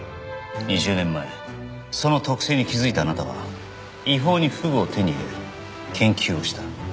２０年前その特性に気づいたあなたは違法にフグを手に入れ研究をした。